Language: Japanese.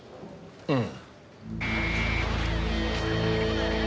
うん。